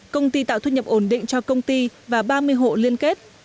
công ty tạo thu nhập ổn định cho công ty và ba mươi hộ liên kết